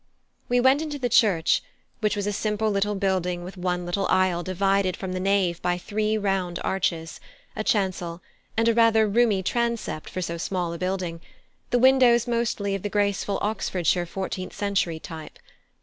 We went into the church, which was a simple little building with one little aisle divided from the nave by three round arches, a chancel, and a rather roomy transept for so small a building, the windows mostly of the graceful Oxfordshire fourteenth century type.